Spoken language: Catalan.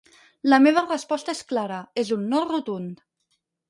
La meva resposta és clara: és un no rotund.